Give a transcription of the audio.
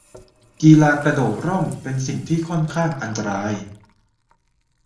กีฬากระโดดร่ม เป็นสิ่งที่ค่อนข้างอันตราย